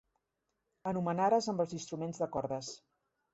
Anomenares amb els instruments de cordes.